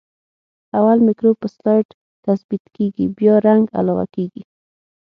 اول مکروب په سلایډ تثبیت کیږي بیا رنګ علاوه کیږي.